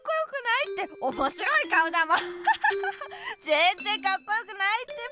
ぜんぜんカッコよくないってば。